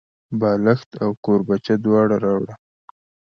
بالښت او کوربچه دواړه راوړه.